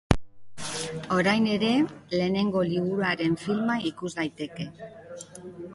Orain ere lehenengo liburuaren filma ikus daiteke.